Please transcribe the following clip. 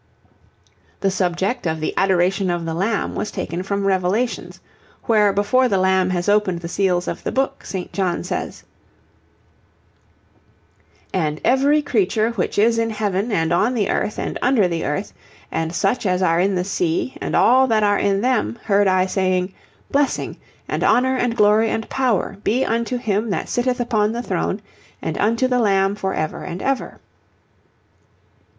The subject of the 'Adoration of the Lamb' was taken from Revelations, where before the Lamb has opened the seals of the book, St. John says: And every creature which is in heaven, and on the earth, and under the earth, and such as are in the sea, and all that are in them, heard I saying, Blessing, and honour, and glory, and power, be unto him that sitteth upon the throne, and unto the Lamb for ever and ever.